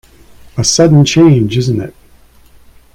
A sudden change, isn't it?